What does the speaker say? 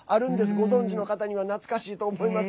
ご存じの方には懐かしいかと思います。